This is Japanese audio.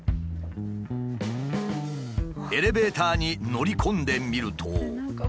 エレベーターに乗り込んでみると。